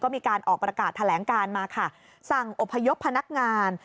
มีการออกประกาศแถลงการมาค่ะสั่งอพยพพนักงาน